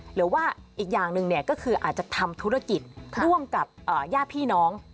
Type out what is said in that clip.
หรือว่าอีกอย่างหนึ่งก็คืออาจจะทำธุรกิจร่วมกับญาติพี่น้อง